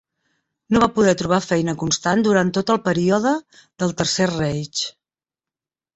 No va poder trobar feina constant durant tot el període del Tercer Reich.